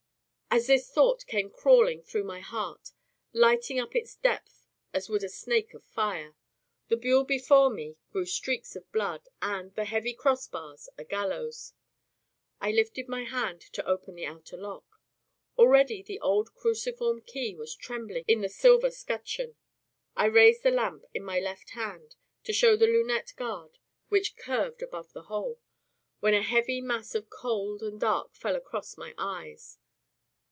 As this thought came crawling through my heart, lighting up its depth as would a snake of fire, the buhl before me grew streaks of blood, and the heavy crossbars a gallows. I lifted my hand to open the outer lock. Already the old cruciform key was trembling in the silver scutcheon. I raised the lamp in my left hand to show the lunette guard which curved above the hole, when a heavy mass all cold and dark fell across my eyes.